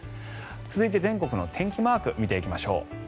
続いて、全国の天気マーク見ていきましょう。